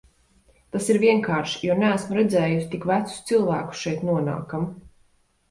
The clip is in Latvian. Tas ir vienkārši, jo neesmu redzējusi tik vecus cilvēkus šeit nonākam.